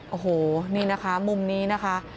โอ้โหมุมนี้นะคะ